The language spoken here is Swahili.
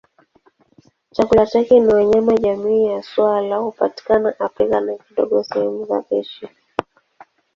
Chakula chake ni wanyama jamii ya swala hupatikana Afrika na kidogo sehemu za Asia.